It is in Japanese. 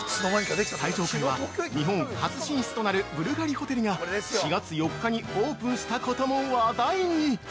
最上階は日本初進出となるブルガリホテルが４月４日にオープンしたことも話題に。